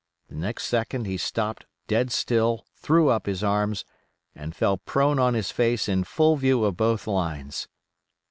The next second he stopped dead still, threw up his arms, and fell prone on his face in full view of both lines.